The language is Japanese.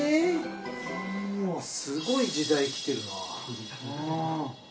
すごい時代、きてるな。